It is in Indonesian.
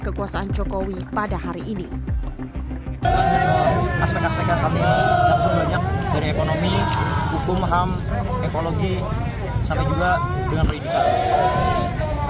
kekuasaan jokowi pada hari ini aspek aspek ekonomi hukum ham ekologi sampai juga dengan